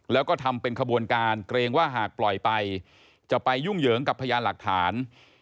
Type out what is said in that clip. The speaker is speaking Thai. แล้วก็ทำเป็นขบวนการเกรงว่าหากปล่อยไปจะไปยุ่งเหยิงกับพยานหลักฐาน